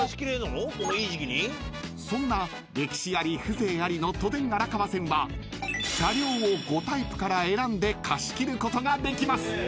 ［そんな歴史あり風情ありの都電荒川線は車両を５タイプから選んで貸し切ることができます］